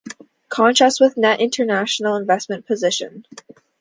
Contrast with net international investment position.